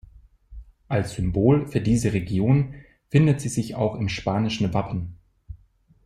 Als Symbol für diese Region findet sie sich auch im spanischen Wappen.